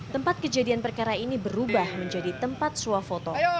tempat kejadian perkara ini berubah menjadi tempat suah foto